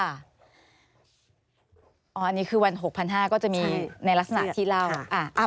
อันนี้คือวัน๖๕๐๐ก็จะมีในลักษณะที่เล่า